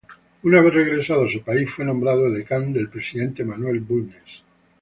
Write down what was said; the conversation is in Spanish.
Una vez regresado a su país fue nombrado edecán del Presidente Manuel Bulnes.